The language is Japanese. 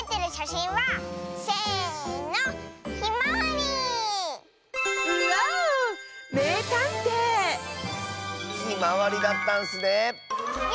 ひまわりだったんスねえ。